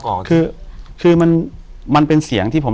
อยู่ที่แม่ศรีวิรัยิลครับ